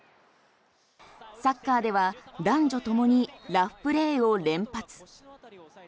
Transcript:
サッカーでは男女ともにラフプレーを連発。